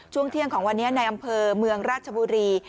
ช่วงเที่ยงของวันนี้ในอำเภอเมืองราชบุรี